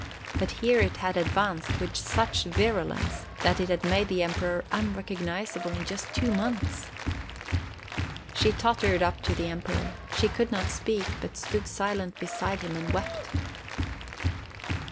But here it had advanced with such virulence that it had made the Emperor unrecognizable in just two months. She tottered up to the Emperor. She could not speak, but stood silent beside him, and wept.